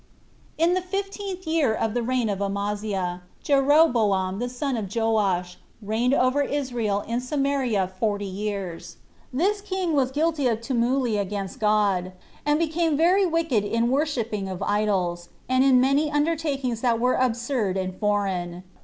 1. In the fifteenth year of the reign of Amaziah, Jeroboam the son of Joash reigned over Israel in Samaria forty years. This king was guilty of contumely against God, 18 and became very wicked in worshipping of idols, and in many undertakings that were absurd and foreign.